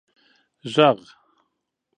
ږغ